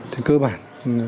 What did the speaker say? thì cơ bản